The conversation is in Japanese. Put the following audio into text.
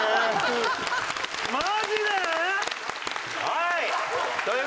はい。